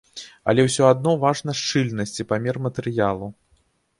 Але ўсё адно важна шчыльнасць і памер матэрыялу.